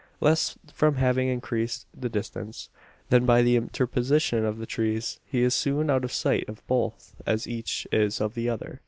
Less from having increased the distance, than by the interposition of the trees, he is soon out of sight of both; as each is of the other.